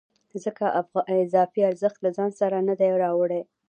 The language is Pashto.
ځکه اضافي ارزښت یې له ځان سره نه دی راوړی